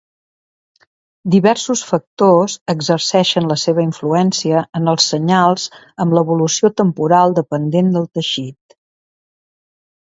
Diversos factors exerceixen la seva influència en els senyals amb l'evolució temporal dependent del teixit.